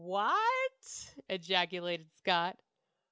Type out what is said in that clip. "Wha t!" ejaculated Scott.